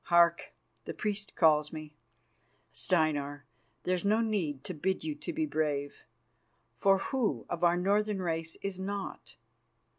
Hark! the priests call me. Steinar, there's no need to bid you to be brave, for who of our Northern race is not?